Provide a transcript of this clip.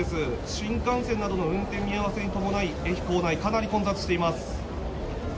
新幹線などの運転見合わせに伴い、駅構内、かなり混雑しています。